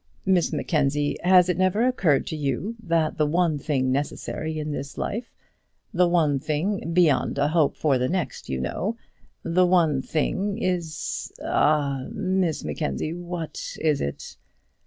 Miss Mackenzie, has it never occurred to you that the one thing necessary in this life, the one thing beyond a hope for the next, you know, the one thing is ah, Miss Mackenzie, what is it?"